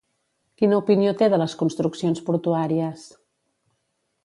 Quina opinió té de les construccions portuàries?